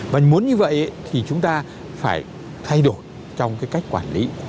và muốn như vậy thì chúng ta phải thay đổi trong cái cách quản lý